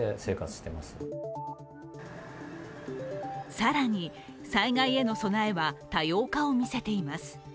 更に、災害への備えは多様化を見せています。